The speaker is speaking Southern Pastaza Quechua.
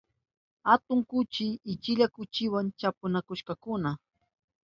Atun kuchi uchilla kuchiwa chapunakushkakuna.